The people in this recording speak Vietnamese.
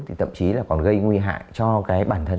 thì thậm chí là còn gây nguy hại cho cái bản thân